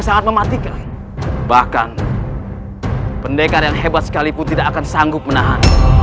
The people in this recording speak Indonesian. sampai jumpa di video selanjutnya